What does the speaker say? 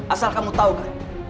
asal kamu tau kan